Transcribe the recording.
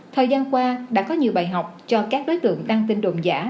thời gian qua đã có nhiều bài học cho các đối tượng đăng tin đồn giả